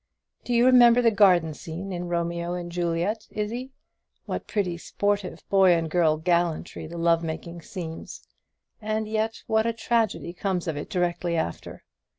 Do you remember the garden scene in 'Romeo and Juliet,' Izzie? What pretty sportive boy and girl gallantry the love making seems; and yet what a tragedy comes of it directly after!